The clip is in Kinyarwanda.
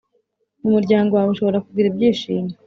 Umuryango wawe ushobora kugira ibyishimo